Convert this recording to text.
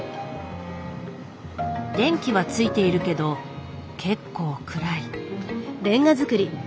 電気はついているけど結構暗い。